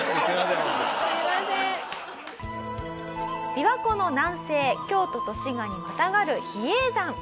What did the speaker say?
琵琶湖の南西京都と滋賀にまたがる比叡山。